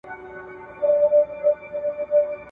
هغه زه یم چي په غېږ کي افلاطون مي دی روزلی `